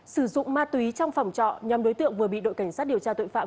sử dụng ma túy trong phòng trọ nhóm đối tượng vừa bị đội cảnh sát điều tra tội phạm